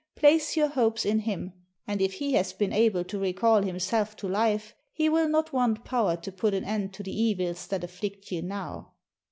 Place your hopes in Him, and if He has been able to recall Himself to Hfe, He will not want power to put an end to the evils that afitiict you now."